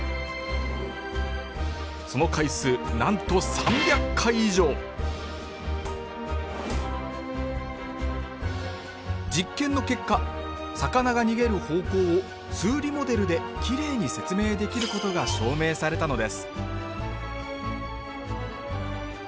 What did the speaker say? その回数なんと３００回以上実験の結果魚が逃げる方向を数理モデルできれいに説明できることが証明されたのです